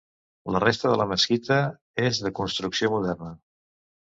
La resta de la mesquita és de construcció moderna.